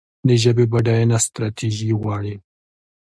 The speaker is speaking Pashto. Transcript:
د ژبې بډاینه ستراتیژي غواړي.